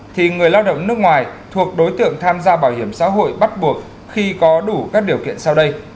thì người lao động nước ngoài thuộc đối tượng tham gia bảo hiểm xã hội bắt buộc khi có đủ các điều kiện sau đây